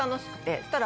そしたら。